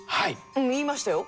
うん言いましたよ。